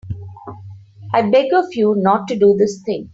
I beg of you not to do this thing.